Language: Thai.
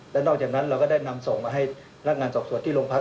และนอกจากนั้นเราก็ได้นำส่งมาให้นักงานสอบส่วนที่โรงพัก